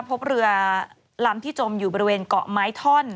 พบเรือลำที่จมอยู่บริเวณเกาะไม้ท่อน